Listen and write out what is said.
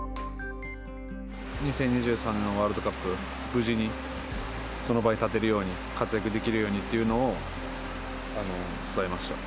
２０２３年のワールドカップ、無事にその場に立てるように、活躍できるようにっていうのを伝えました。